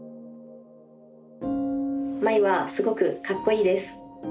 茉愛はすごくかっこいいです。